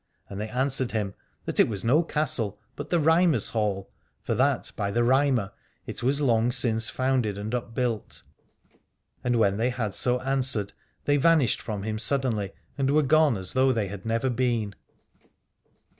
And they answered him that it was no castle, but the Rhymer's Hall ; for that by the Rhymer it was long since founded and upbuilt. And when they had so an swered they vanished from him suddenly, and were gone as though they had never been.